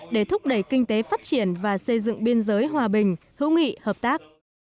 để thúc đẩy kinh tế phát triển và xây dựng biên giới hòa bình hữu nghị hợp tác